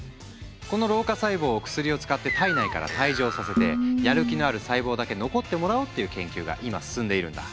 この老化細胞を薬を使って体内から退場させてやる気のある細胞だけ残ってもらおうっていう研究が今進んでいるんだ。